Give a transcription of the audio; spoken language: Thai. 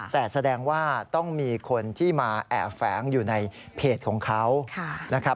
แต่แสดงว่าต้องมีคนที่มาแอบแฝงอยู่ในเพจของเขานะครับ